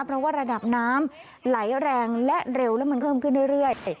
เพราะว่าระดับน้ำไหลแรงและเร็วและมันเพิ่มขึ้นเรื่อย